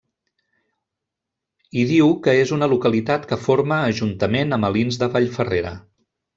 Hi diu que és una localitat que forma ajuntament amb Alins de Vallferrera.